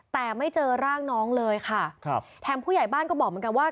แต่ไม่เจอร่างน้องเลยค่ะครับแถมผู้ใหญ่บ้านก็บอกเหมือนกันว่า